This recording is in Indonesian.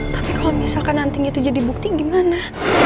tapi kalau misalkan nanti itu jadi bukti gimana